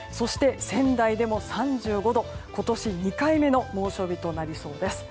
仙台でも３５度、今年２回目の猛暑日となりそうです。